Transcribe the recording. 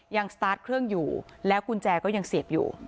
สตาร์ทเครื่องอยู่แล้วกุญแจก็ยังเสียบอยู่